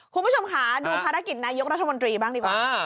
คุณผู้ชมค่ะดูภารกิจนายกรัฐมนตรีบ้างดีกว่า